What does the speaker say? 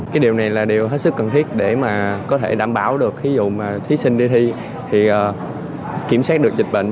cái điều này là điều hết sức cần thiết để mà có thể đảm bảo được thí dụ mà thí sinh đi thi thì kiểm soát được dịch bệnh